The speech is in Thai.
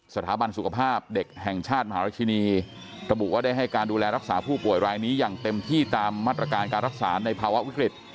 สถาบันสุขภาพเด็กแห่งชาติมหาราชินีระบุว่าได้ให้การดูแลรักษาผู้ป่วยรายนี้อย่างเต็มที่ตามมาตรการการรักษาในภาวะวิกฤต